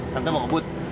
tante mau ngebut